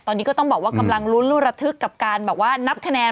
ตอนนี้ก็ต้องบอกว่ากำลังลุ้นรูระทึกกับการแบบว่านับคะแนน